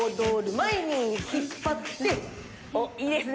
前に引っ張っていいですね！